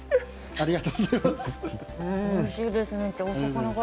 ありがとうございます。